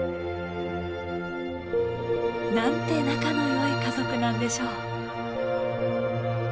なんて仲のよい家族なんでしょう。